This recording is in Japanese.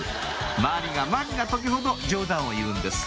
周りがマジな時ほど冗談を言うんです